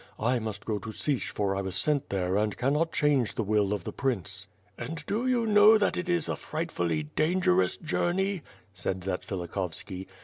"I must go to Sich for I was sent there and cannot change the will of the prince." And do you know that it is a frightfully dangerous journey?" said Zatsvilikhovski.